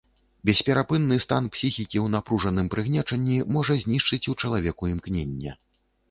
Бесперапынны стан псіхікі ў напружаным прыгнечанні можа знішчыць у чалавеку імкненне.